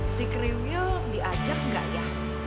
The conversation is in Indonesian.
si kriwil diajak gak ya